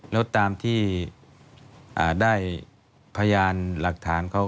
แล้วตามที่ได้พยานหลักฐานเขา